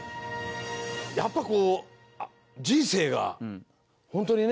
やっぱこう人生が本当にね。